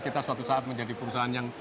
kita suatu saat menjadi perusahaan yang